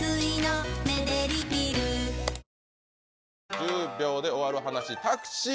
「１０秒で終わるハナシ」「タクシー」。